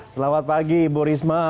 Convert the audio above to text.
selamat pagi ibu risma